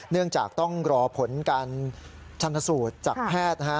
เนื่องจากต้องรอผลการชันสูตรจากแพทย์